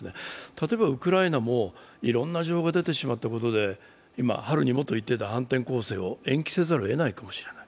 例えばウクライナもいろんな情報が出てしまったことで今、春にもといっていた反転攻勢を延期せざるをえないかもしれない。